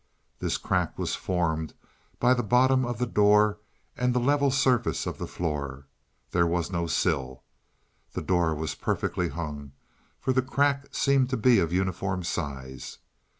This crack was formed by the bottom of the door and the level surface of the floor; there was no sill. The door was perfectly hung, for the crack seemed to be of uniform size.